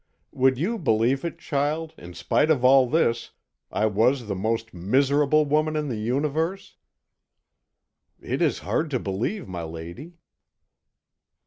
Would you believe it, child, in spite of all this, I was the most miserable woman in the universe?" "It is hard to believe, my lady."